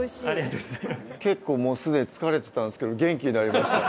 結構もうすでに疲れてたんですけど元気になりました。